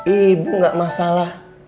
ibu gak masalah